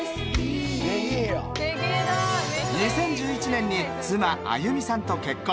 ２０１１年に妻亜由美さんと結婚。